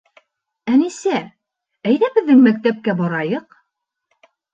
— Әнисә, әйҙә беҙҙең мәктәпкә барайыҡ.